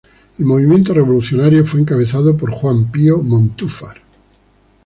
El movimiento revolucionario fue encabezado por Juan Pío Montúfar.